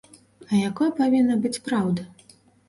А якой павінна быць праўда?